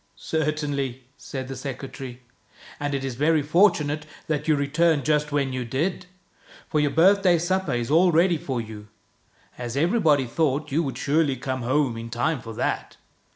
" Certainly," said the secretary. " And it is very fortunate that you returned just when you did. For your birthday supper is all ready for you, as every body thought you would surely come home in time for that.